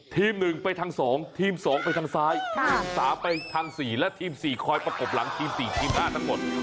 ๑ไปทาง๒ทีม๒ไปทางซ้ายทีม๓ไปทาง๔และทีม๔คอยประกบหลังทีม๔ทีม๕ทั้งหมด